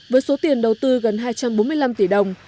với số tiền đầu tư gần hai trăm bốn mươi năm tỷ đồng